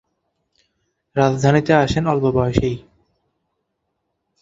রাজনীতিতে আসেন অল্প বয়সেই।